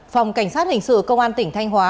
phòng cảnh sát hình sự công an tỉnh thanh hóa